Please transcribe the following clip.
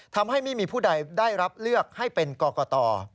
ทำให้ไม่มีผู้ใดได้รับเลือกให้เป็นกรกต